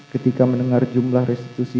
ketika mendengar jumlah restitusi